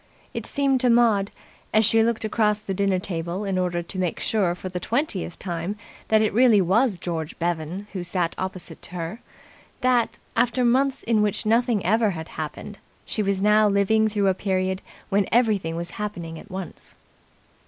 It seemed to Maud, as she looked across the dinner table in order to make sure for the twentieth time that it really was George Bevan who sat opposite her, that, after months in which nothing whatever had happened, she was now living through a period when everything was happening at once.